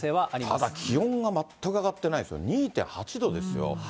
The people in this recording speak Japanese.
ただ気温が全く上がってないですよ、２．８度ですよ。